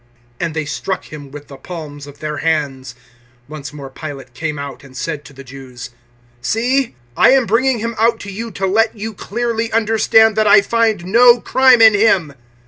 And they struck Him with the palms of their hands. 019:004 Once more Pilate came out and said to the Jews, "See, I am bringing him out to you to let you clearly understand that I find no crime in him."